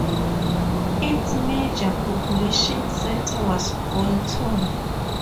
Its major population centre was Bolton.